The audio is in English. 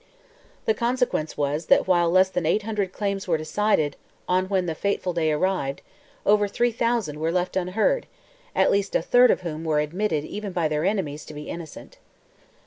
The consequence was, that while less than 800 claims were decided on when the fatal day arrived, over 3,000 were left unheard, at least a third of whom were admitted even by their enemies to be innocent.